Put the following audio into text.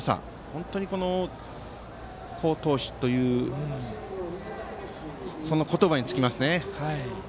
本当に好投手というその言葉につきます。